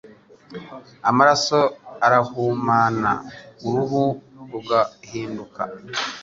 Amaraso arahumana, uruhu rugahinduka